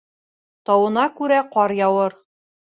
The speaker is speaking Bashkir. Тауына күрә ҡар яуыр.